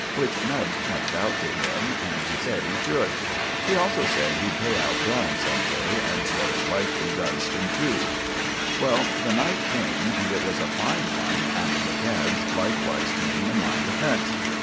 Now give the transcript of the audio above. Which Nubbs pointed out to him, and he said he should. He also said he'd pay out Browne some day, and very likely Dunston too. Well, the night came, and it was a fine one; and the cads likewise came and lined the fence.